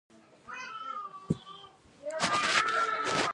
دوی د بل کاسټ له غړو سره اړیکه نه نیوله.